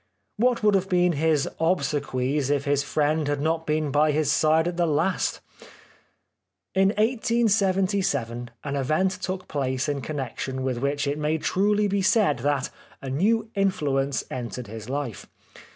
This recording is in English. What would have been his obsequies if this friend had not been by his side at the last ? In 1877 an event took place in connection with which it may truly be said that " a new influence entered his life."